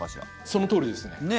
そのとおりですね。